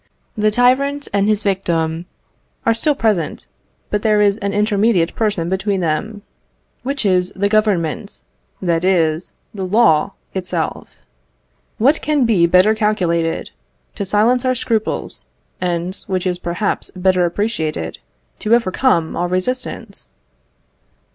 The tyrant and his victim are still present, but there is an intermediate person between them, which is the Government that is, the Law itself. What can be better calculated to silence our scruples, and, which is perhaps better appreciated, to overcome all resistance?